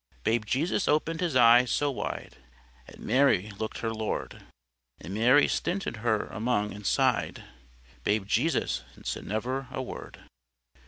"Babe Jesus open'd His eyes so wide! At Mary look'd her Lord. And Mary stinted her song and sigh'd. Babe Jesus said never a word."